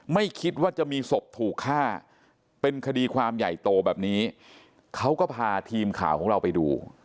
ไม่คิดว่าจะมีศพถูกฆ่าเป็นคดีความใหญ่โตแบบนี้เขาก็พาทีมข่าวของเราไปดู